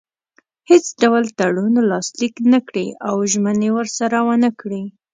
هیڅ ډول تړون لاسلیک نه کړي او ژمنې ورسره ونه کړي.